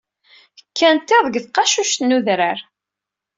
Kkant iḍ deg tqacuct n udrar.